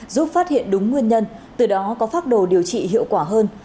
giúp phát hiện đúng nguyên nhân từ đó có phác đồ điều trị hiệu quả hơn